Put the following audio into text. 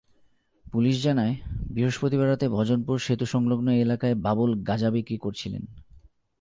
Police জানায়, বৃহস্পতিবার রাতে ভজনপুর সেতুসংলগ্ন এলাকায় বাবুল গাঁজা বিক্রি করছিলেন।